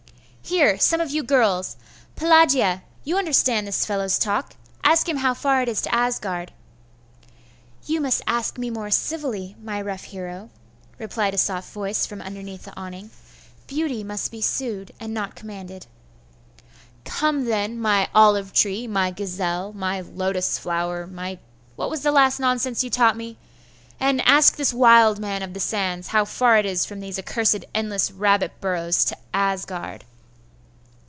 'Here some of you girls! Pelagia! you understand this fellow's talk. Ask him how far it is to Asgard.' 'You must ask me more civilly, my rough hero,' replied a soft voice from underneath the awning. 'Beauty must be sued, and not commanded.' 'Come, then, my olive tree, my gazelle, my lotus flower, my what was the last nonsense you taught me? and ask this wild man of the sands how far it is from these accursed endless rabbit burrows to Asgard.